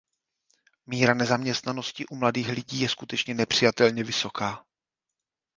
Míra nezaměstnanosti u mladých lidí je skutečně nepřijatelně vysoká.